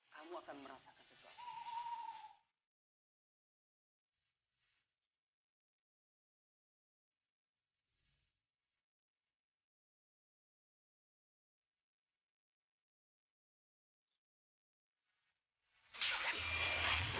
kamu akan merasakan sesuatu